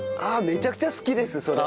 めちゃくちゃ好きですそれ。